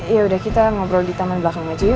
yaudah kita ngobrol di taman belakang aja yuk